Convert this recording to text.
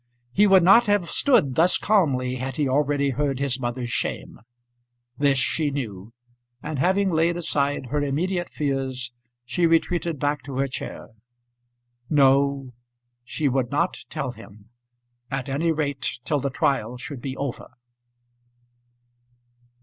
He would not have stood thus calmly had he already heard his mother's shame. This she knew, and having laid aside her immediate fears she retreated back to her chair. No; she would not tell him: at any rate till the trial should be over.